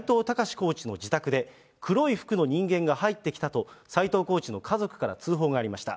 コーチの自宅で、黒い服の人間が入ってきたと斎藤コーチの家族から通報がありました。